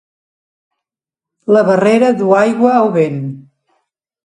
La barrera du aigua o vent.